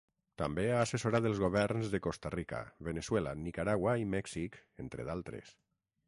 També ha assessorat els governs de Costa Rica, Veneçuela, Nicaragua i Mèxic entre d'altres.